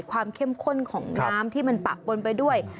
เข้มข้นของน้ำที่มันปะปนไปด้วย